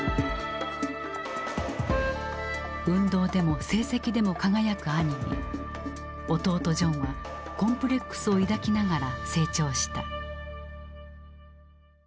運動でも成績でも輝く兄に弟ジョンはコンプレックスを抱きながら成長した。